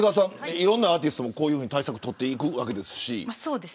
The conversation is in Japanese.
いろんなアーティストもこういう対策を取っていくわけですし。